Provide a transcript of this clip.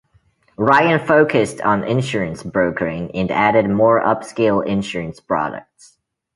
Ryan focused on insurance brokering and added more upscale insurance products.